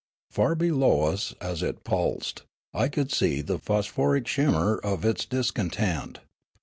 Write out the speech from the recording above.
Far below us as it pulsed I could see the phosphoric shimmer of its discontent.